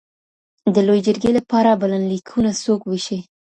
د لویې جرګي لپاره بلنلیکونه څوک ویشي؟